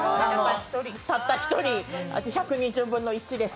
たった１人、１２０分の１です。